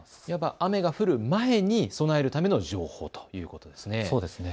雨が降る前に備えるための情報ということですね。